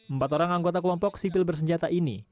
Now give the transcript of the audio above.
empat orang anggota kelompok sipil bersenjata ini